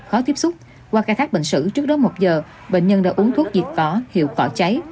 khó tiếp xúc qua khai thác bệnh sử trước đó một giờ bệnh nhân đã uống thuốc diệt cỏ hiệu quả cháy